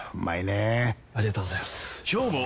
ありがとうございます！